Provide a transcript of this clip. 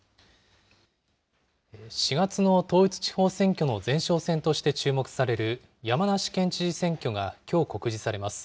４月の統一地方選挙の前哨戦として注目される、山梨県知事選挙がきょう告示されます。